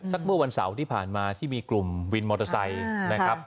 เมื่อวันเสาร์ที่ผ่านมาที่มีกลุ่มวินมอเตอร์ไซค์นะครับ